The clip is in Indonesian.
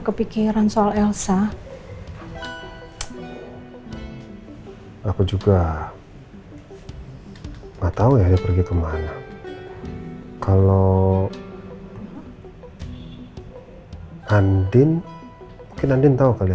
kepikiran soal elsa aku juga nggak tahu ya dia pergi kemana kalau andin mungkin andin tahu kali ya